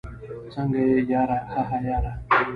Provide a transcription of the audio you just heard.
څنګه يې ياره؟ هههه ياره